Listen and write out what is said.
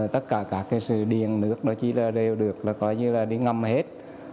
tất cả các sự điền nước chỉ đều được đi ngâm hết